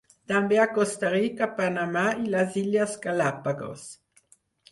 També a Costa Rica, Panamà i les Illes Galápagos.